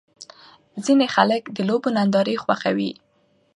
ځینې خلک د لوبو نندارې خوښوي.